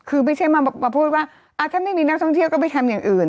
คือไม่ใช่มาพูดว่าถ้าไม่มีนักท่องเที่ยวก็ไปทำอย่างอื่น